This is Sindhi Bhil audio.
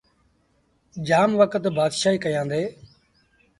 جآم وکت بآتشآهيٚ ڪيآݩدي۔۔